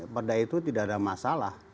perda itu tidak ada masalah